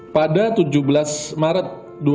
pada tujuh belas maret dua ribu dua puluh